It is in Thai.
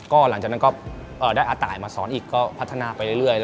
ก็หลังจากนั้นก็ได้อาตายมาสอนอีกก็พัฒนาไปเรื่อย